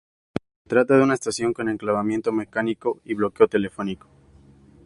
Se trata de una estación con enclavamiento mecánico y bloqueo telefónico.